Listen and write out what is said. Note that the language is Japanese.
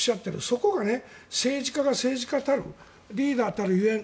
そこが政治家が政治家たるリーダーたるゆえん。